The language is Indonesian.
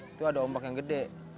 itu ada ombak yang gede